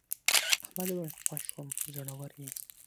احمد وویل خوښ شوم زړور یې.